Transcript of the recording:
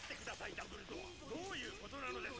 ダンブルドアどういうことなのです！